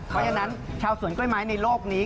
เพราะฉะนั้นชาวสวนกล้วยไม้ในโลกนี้